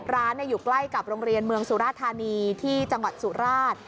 ร้านอยู่ใกล้กับโรงเรียนเมืองสุราธานีที่จังหวัดสุราช